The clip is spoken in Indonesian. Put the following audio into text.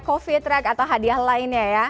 coffee track atau hadiah lainnya ya